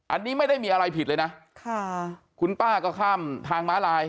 อันนี้ไม่ได้มีอะไรผิดเลยนะค่ะคุณป้าก็ข้ามทางม้าลาย